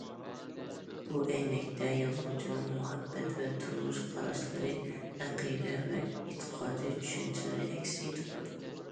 بۇ ئەينەكتە يازغۇچىنىڭ مۇھەببەت ۋە تۇرمۇش قاراشلىرى، ئەقىدە ۋە ئېتىقاد چۈشەنچىلىرى ئەكس ئېتىدۇ.